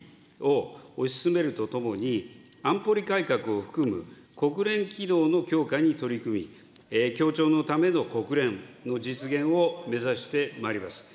また、Ｇ７をはじめとする強く、実効的な多国間主義を推し進めるとともに、安保理改革を含む国連機能の強化に取り組み、協調のための国連の実現を目指してまいります。